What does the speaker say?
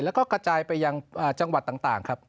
แล้วก็กระจายไปยังจังหวัดต่างครับ